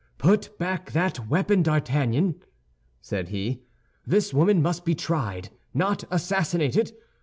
"Put back that weapon, D'Artagnan!" said he; "this woman must be tried, not assassinated.